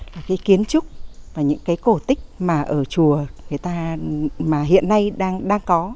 các cái kiến trúc và những cái cổ tích mà ở chùa người ta mà hiện nay đang có